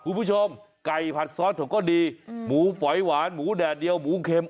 คุณผู้ชมไก่ผัดซอสเขาก็ดีหมูฝอยหวานหมูแดดเดียวหมูเค็ม